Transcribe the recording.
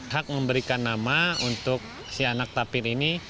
hak memberikan nama untuk si anak tapir ini